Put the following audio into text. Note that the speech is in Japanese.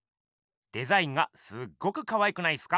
デザインがすっごくかわいくないっすか？